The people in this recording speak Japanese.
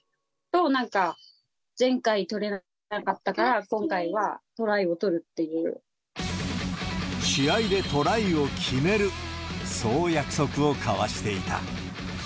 なんか前回取れなかったから、今試合でトライを決める、そう約束を交わしていた。